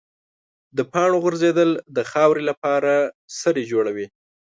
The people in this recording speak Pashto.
د پاڼو غورځېدل د خاورې لپاره سرې جوړوي.